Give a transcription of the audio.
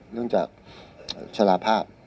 เนื่องจากชะลาภาพ